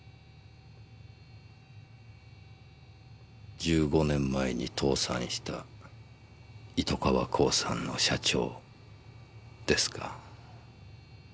１５年前に倒産した糸川興産の社長ですか。